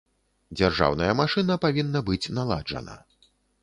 Дзяржаўная машына павінна быць наладжана.